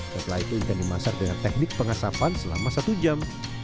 setelah itu ikan dimasak dengan teknik pengasapan selama satu jam